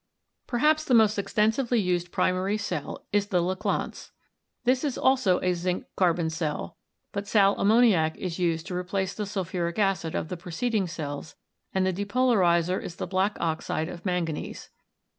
Perhaps the most extensively used primary cell is the LeClanche. This is also a zinc carbon cell, but sal am moniac is used to replace the sulphuric acid of the preced ing cells and the depolarizer is the black oxide of man ganese.